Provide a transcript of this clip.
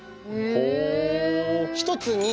ほう。